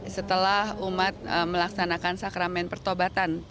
setelah umat melaksanakan sakramen pertobatan